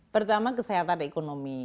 pertama kesehatan ekonomi